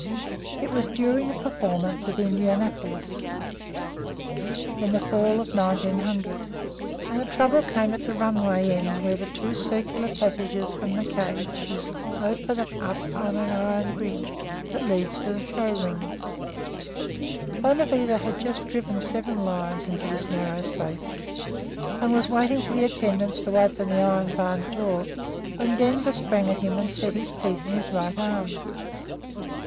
It was during a performance at Indianapolis, in the fall of 1900, and the trouble came at the runway end where the two circular passages from the cages open on an iron bridge that leads to the show ring. Bonavita had just driven seven lions into this narrow space, and was waiting for the attendants to open the iron barred door, when Denver sprang at him and set his teeth in his right arm.